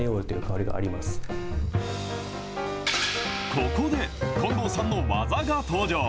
ここで、近藤さんの技が登場。